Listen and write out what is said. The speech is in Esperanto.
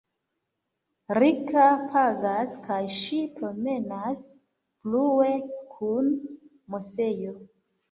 Rika pagas kaj ŝi promenas plue kun Moseo.